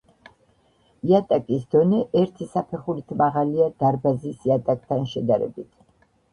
იატაკის დონე ერთი საფეხურით მაღალია დარბაზის იატაკთან შედარებით.